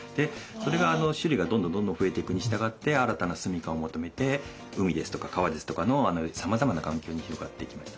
それが種類がどんどんどんどん増えていくにしたがって新たな住みかを求めて海ですとか川ですとかのさまざまな環境に広がっていきました。